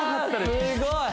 すごい！